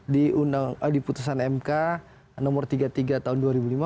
di putusan mk nomor tiga puluh tiga tahun dua ribu lima belas